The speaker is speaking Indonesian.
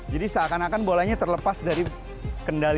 jadi seakan akan bolanya terlepas dari kendali lo